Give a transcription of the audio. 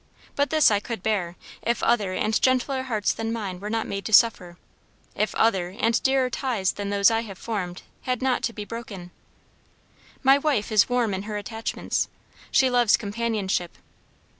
But this I could bear, if other and gentler hearts than mine were not made to suffer; if other and dearer ties than those I have formed had not to be broken. My wife is warm in her attachments. She loves companionship.